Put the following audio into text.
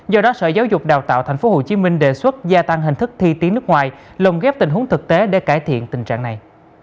do đó sở giáo dục đào tạo tp hcm đề xuất gia tăng hình thức thi tiếng nước ngoài lồng ghép tình huống thực tế để cải thiện tình trạng này